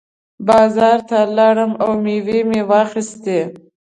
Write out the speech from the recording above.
بازار ته لاړم او مېوې مې واخېستې.